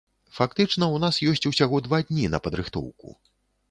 Фактычна ў нас ёсць усяго два дні на падрыхтоўку.